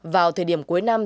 vào thời điểm cuối năm